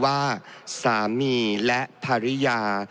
และมาตรา๑๔๖๐